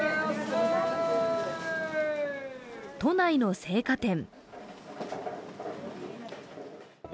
都内の青果店。